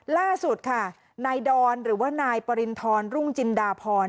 ล่าสุดค่ะนายดอนหรือว่านายปริณฑรรุ่งจินดาพร